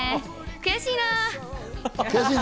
悔しいね。